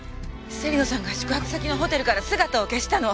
芹野さんが宿泊先のホテルから姿を消したの！